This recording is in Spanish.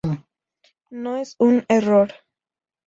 No es un error.